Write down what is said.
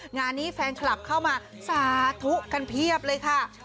งานนี้แฟนคลับเข้ามาสาธุกันเพียบเลยค่ะ